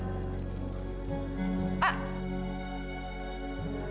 aku harus tanyakan hal ini pada fauzan